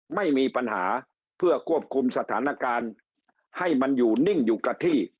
ไม่มีปัญหาเพื่อควบคุมสถานการณ์ให้มันอยู่นิ่งอยู่กับที่